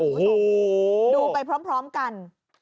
ดูไปพร้อมกัน